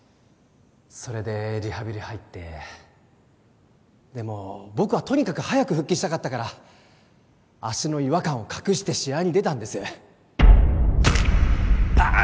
それでリハビリ入ってでも僕はとにかく早く復帰したかったから足の違和感を隠して試合に出たんですああ